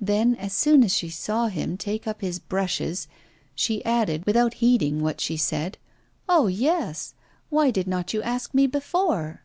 Then as soon as she saw him take up his brushes, she added, without heeding what she said, 'Ah, yes! Why did not you ask me before?